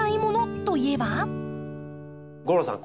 吾郎さん